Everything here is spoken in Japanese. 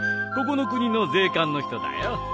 ここの国の税関の人だよ。